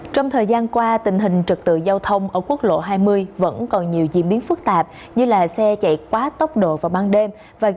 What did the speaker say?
trong thời gian qua tình hình trực tự giao thông ở quốc lộ hai mươi vẫn còn nhiều diễn biến phức tạp như xe chạy quá tốc độ vào ban đêm